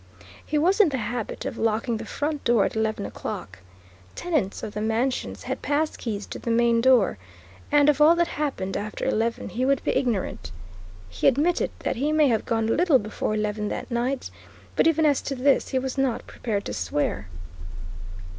He was in the habit of locking the front door at eleven o'clock. Tenants of the mansions had pass keys to the main door, and of all that happened after eleven he would be ignorant. He admitted that he may have gone a little before eleven that night, but even as to this he was not prepared to swear.